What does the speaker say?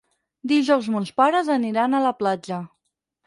Dijous mons pares aniran a la platja.